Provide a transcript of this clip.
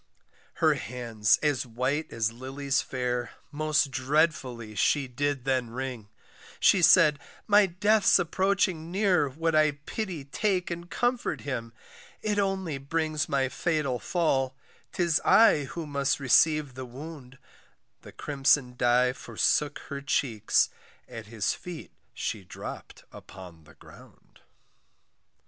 Her hands as white as lilies fair, Most dreadfully she then did wring She said, my death's approaching near, Would I pity take and comfort him It only brings my fatal fall, 'Tis I who must receive the wound The crimson dye forsook her cheeks, At his feet she dropp'd upon the ground.